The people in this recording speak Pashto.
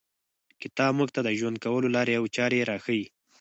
کتاب موږ ته د ژوند کولو لاري او چاري راښیي.